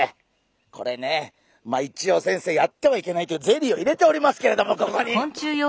これね一応先生やってはいけないというゼリーを入れておりますけれどもここに。